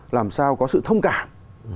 làm sao có sự thông cảm